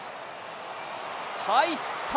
入った！